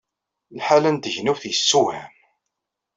Lḥal-a n tegnewt yessewham!